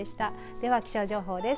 では気象情報です。